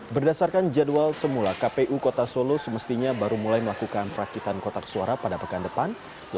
berdasarkan jadwal semula kpu kota solo semestinya baru mulai melakukan rakitan kotak suara pada pekan depan